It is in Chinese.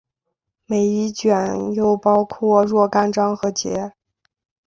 每一卷又包括若干章和节。